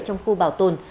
trong khu bảo tồn